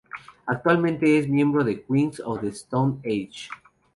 Actualmente es miembro de Queens of the Stone Age.